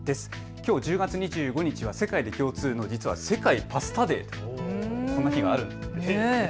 きょう１０月２５日は世界共通の、実は世界パスタデー、そんな日があるんですね。